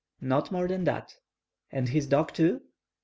"Not more than that." "And his dog, too?"